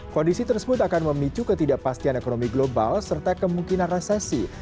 kondisi tersebut akan memicu ketidakpastian ekonomi global serta kemungkinan resesi